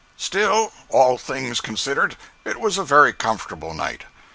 038.jpg (54K) Still, all things considered, it was a very comfortable night.